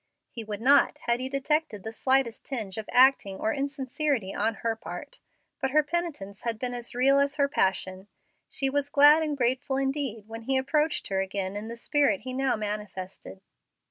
He would not had he detected the slightest tinge of acting or insincerity on her part, but her penitence had been as real as her passion. She was glad and grateful indeed when he approached her again in the spirit he now manifested.